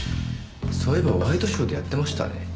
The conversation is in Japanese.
そういえばワイドショーでやってましたね。